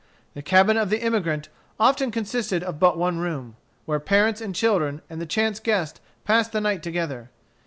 The cabin of the emigrant often consisted of but one room, where parents and children and the chance guest passed the night together.